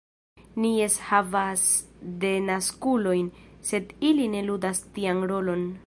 Ni jes havas denaskulojn, sed ili ne ludas tian rolon.